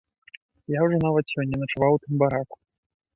Я ўжо нават сёння начаваў у тым бараку.